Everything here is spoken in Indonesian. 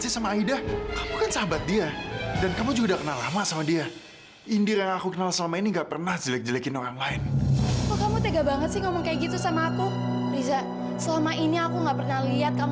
sampai jumpa di video selanjutnya